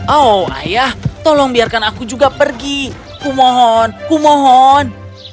oh ayah tolong biarkan aku juga pergi kumohon kumohon